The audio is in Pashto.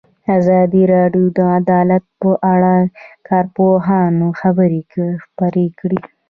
ازادي راډیو د عدالت په اړه د کارپوهانو خبرې خپرې کړي.